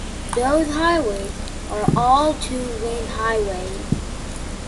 Those highways are all two lane highways.